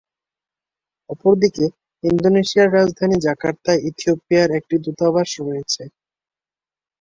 অপরদিকে, ইন্দোনেশিয়ার রাজধানী জাকার্তায় ইথিওপিয়ার একটি দূতাবাস রয়েছে।